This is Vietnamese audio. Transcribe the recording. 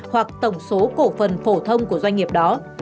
hoặc tổng số cổ phần phổ thông của doanh nghiệp đó